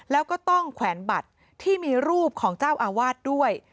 แล้วก็ต้องแขวนบัตรที่มีรูปของเจ้าอาวาสด้วย